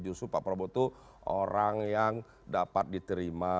justru pak prabowo itu orang yang dapat diterima